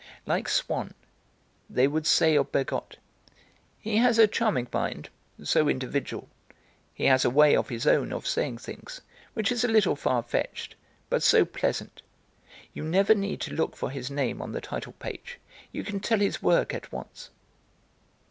Like Swann, they would say of Bergotte: "He has a charming mind, so individual, he has a way of his own of saying things, which is a little far fetched, but so pleasant. You never need to look for his name on the title page, you can tell his work at once."